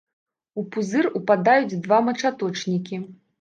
У пузыр упадаюць два мачаточнікі.